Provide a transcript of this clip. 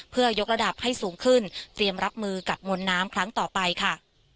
เพื่อยกระดับให้สูงขึ้นเตรียมรับมือกับมวลน้ำครั้งต่อไปค่ะ